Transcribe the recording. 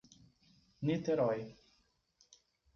Niterói